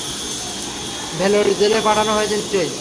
Valour জেলে পাঠানো হয়েছে নিশ্চয়ই।